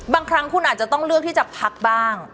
บางครั้งคุณอาจจะต้องเลือกที่จะพักบ้าง